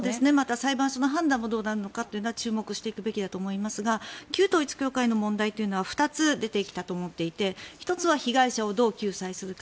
裁判所の判断もどうなるのかは注目していくべきだと思いますが旧統一教会の問題というのは２つ出てきたと思っていて１つは被害者をどう救済するか。